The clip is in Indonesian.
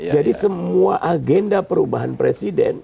jadi semua agenda perubahan presiden